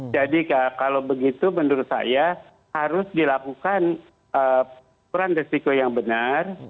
jadi kalau begitu menurut saya harus dilakukan peran risiko yang benar